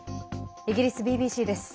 イギリスＢＢＣです。